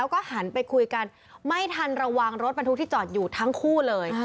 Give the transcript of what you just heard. แล้วก็หันไปคุยกันไม่ทันระวังรถบรรทุกที่จอดอยู่ทั้งคู่เลย